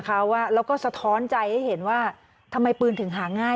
แล้วก็สะท้อนใจให้เห็นว่าทำไมปืนถึงหาง่าย